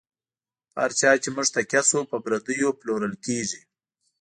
په هر چا چی موږ تکیه شو، په پردیو پلورل کیږی